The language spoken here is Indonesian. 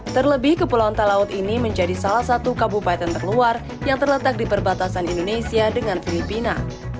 terlebih kepulauan talaut ini menjadi salah satu kabupaten terluar yang terletak di perbatasan indonesia dengan filipina